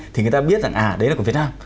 thì người ta biết rằng à đấy là của việt nam